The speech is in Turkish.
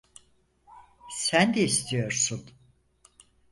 Sen de istiyorsun.